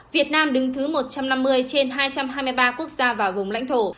việt nam đứng thứ một trăm năm mươi trên hai trăm hai mươi ba quốc gia và vùng lãnh thổ